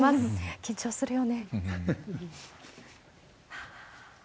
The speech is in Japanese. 緊張するよね。